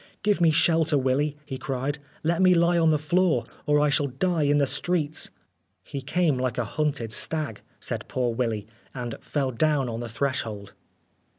" Give me shelter, Willy," he cried. " Let me lie on the floor, or I shall die in the streets." " He came like a hunted stag," said poor Willy, "and fell down on the threshold."